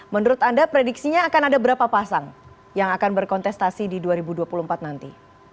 menurut anda prediksinya akan ada berapa pasang yang akan berkontestasi di dua ribu dua puluh empat nanti